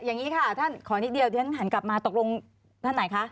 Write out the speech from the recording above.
อย่างนี้ค่ะท่านขอนิดนิดเดียวตอนนี้ท่านกลับมาตกลงท่านไหนคะ